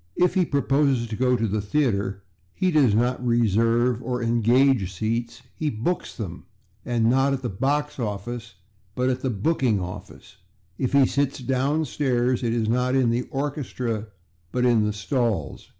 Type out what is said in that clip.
If he proposes to go to the theatre he does not /reserve/ or /engage/ seats; he /books/ them, and not at the /box office/, but at the /booking office/. If he sits downstairs, it is not in the /orchestra/, but in the /stalls